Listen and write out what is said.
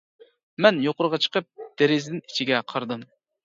مەن يۇقىرىغا چىقىپ دېرىزىدىن ئىچىگە قارىدىم.